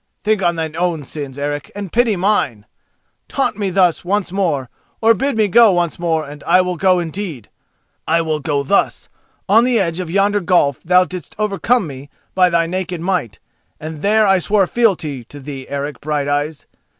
Think on thine own sins, Eric, and pity mine! Taunt me thus once more or bid me go once more and I will go indeed! I will go thus—on the edge of yonder gulf thou didst overcome me by thy naked might, and there I swore fealty to thee, Eric Brighteyes.